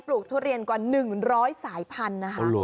ลูกทุเรียนกว่า๑๐๐สายพันธุ์นะคะ